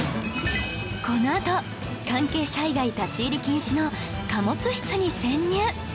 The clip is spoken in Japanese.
このあと関係者以外立ち入り禁止の貨物室に潜入！